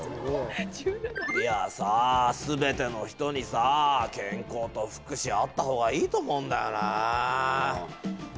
いやさすべての人にさ健康と福祉あった方がいいと思うんだよね。